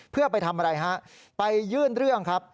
เพื่อไปทำอะไรฮะไปยื่นเรื่องครับ